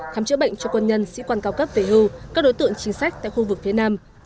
khám chữa bệnh cho quân nhân sĩ quan cao cấp về hưu các đối tượng chính sách tại khu vực phía nam